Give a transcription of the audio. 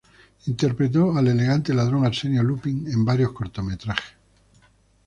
Interpretó al elegante ladrón Arsenio Lupin en varios cortometrajes.